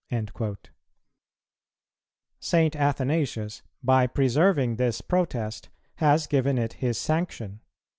"[158:1] St. Athanasius, by preserving this protest, has given it his sanction.